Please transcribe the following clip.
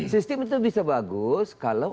sistem itu bisa bagus kalau